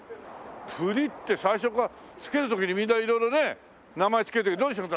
「ぷり」って最初から付ける時にみんな色々ね名前付ける時に「どうしますか」